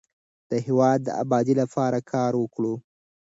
د هیواد د ابادۍ لپاره کار وکړو.